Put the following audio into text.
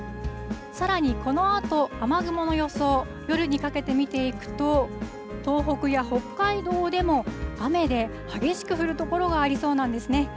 さらに、このあと雨雲の予想、夜にかけて見ていくと、東北や北海道でも雨で、激しく降る所がありそうなんですね。